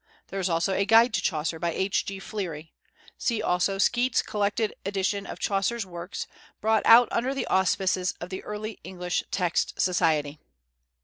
There is also a Guide to Chaucer, by H.G. Fleary. See also Skeat's collected edition of Chaucer's Works, brought out under the auspices of the Early English Text Society.